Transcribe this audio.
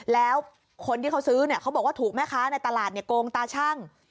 แล้วคนที่เขาซื้อเขาบอกว่าถูกแม่ค้าในตลาดโกงตาชั่ง